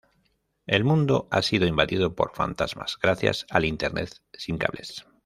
El mundo ha sido invadido por fantasmas gracias al Internet sin cables.